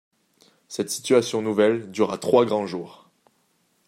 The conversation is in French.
Cette situation nouvelle dura trois grands jours.